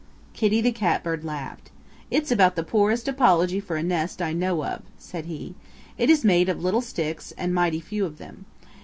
Kitty the Catbird laughed. "It's about the poorest apology for a nest I know of," said he. "It is made of little sticks and mighty few of them.